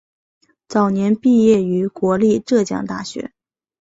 早年毕业于国立浙江大学。